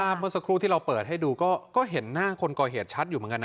เมื่อสักครู่ที่เราเปิดให้ดูก็เห็นหน้าคนก่อเหตุชัดอยู่เหมือนกันนะ